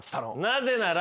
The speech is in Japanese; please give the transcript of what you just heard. なぜなら。